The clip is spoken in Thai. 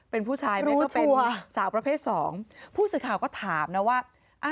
เป็นผู้ชายเนี่ยก็เป็นสาวประเภทสองพูดสิทธิ์ข่าวก็ถามนะว่า